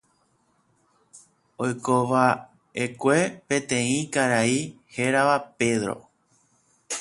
Oikova'ekue peteĩ karai hérava Pedro.